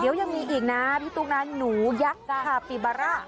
เดี๋ยวยังมีอีกนะพี่ตุ๊กนะหนูยักษ์ชาปิบาร่า